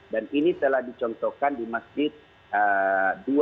dan ini telah dicontohkan di masjid